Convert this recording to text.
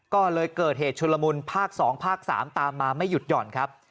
ก็เลยเกิดเหตุชุลมุนภาค๒ภาค๓ตามมาไม่หยุดหย่อนครับ